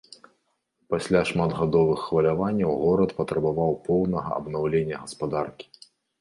Пасля шматгадовых хваляванняў горад патрабаваў поўнага абнаўлення гаспадаркі.